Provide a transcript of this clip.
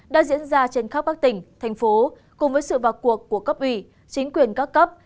đã diễn ra trên khắp các tỉnh thành phố cùng với sự vào cuộc của cấp ủy chính quyền các cấp